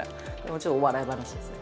ちょっと笑い話ですね。